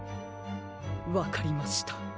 わかりました。